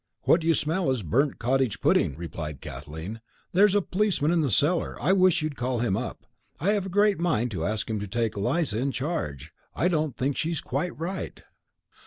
"What you smell is a burnt cottage pudding," replied Kathleen. "There's a policeman in the cellar, I wish you'd call him up. I have a great mind to ask him to take Eliza in charge. I don't think she's quite right."